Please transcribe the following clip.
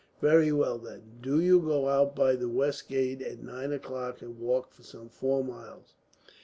"Very well, then. Do you go out by the west gate, at nine o'clock, and walk for some four miles.